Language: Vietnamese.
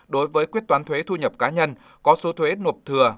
đối với quyết toán thuế thu nhập cá nhân có số thuế nộp thừa